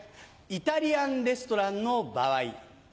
イタリアンレストランの場合。